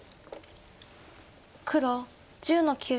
黒１０の九。